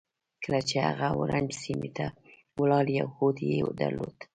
کله چې هغه اورنج سيمې ته ولاړ يو هوډ يې درلود.